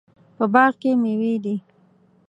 په باغ کې میوې دي